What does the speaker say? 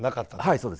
そうです。